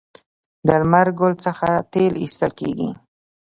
د لمر ګل څخه تیل ایستل کیږي.